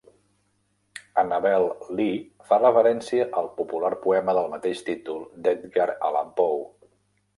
"Annabel Lee" fa referència al popular poema del mateix títol d'Edgar Allan Poe.